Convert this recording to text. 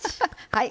はい。